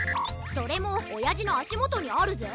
それもおやじのあしもとにあるぜ。